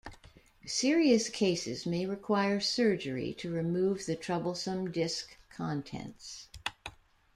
Serious cases may require surgery to remove the troublesome disk contents.